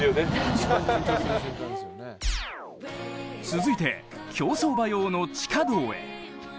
続いて競走馬用の地下道へ。